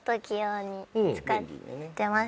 使ってます。